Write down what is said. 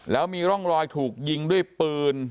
แล้วมีร่องรอยถูกยิงด้วยปืน